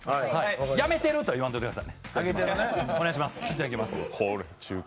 「辞めてる！」とは言わんといてください。